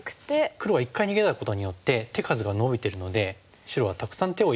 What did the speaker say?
黒は一回逃げたことによって手数がのびてるので白はたくさん手を入れるんですね。